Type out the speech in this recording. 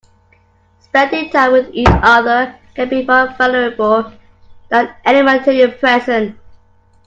Spending time with each other can be more valuable than any material present.